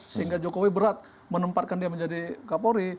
sehingga jokowi berat menempatkan dia menjadi kapolri